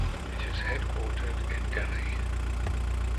It is headquartered in Delhi.